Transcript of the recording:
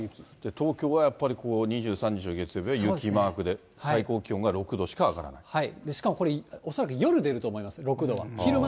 東京はやっぱり２３日の月曜日は雪マークで、しかもこれ、恐らく夜出ると思います、６度は。